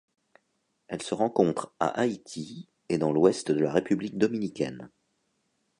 Elle se rencontre à Haïti et dans l'ouest de la République dominicaine.